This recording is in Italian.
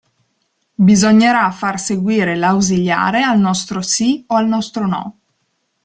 Bisognerà far seguire l'ausiliare al nostro "si" o al nostro "no".